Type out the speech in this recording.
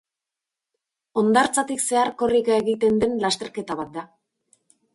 Hondartzatik zehar korrika egiten den lasterketa bat da.